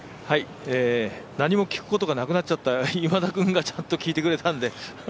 何も聞くことがなくなっちゃった、今田君がちゃんと聞いてくれたので。